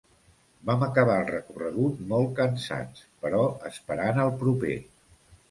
Vam acabar el recorregut molt cansats, però esperant el proper.